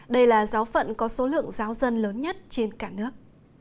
đây là giáo phận có số lượng giáo dân lớn nhất trên cả nước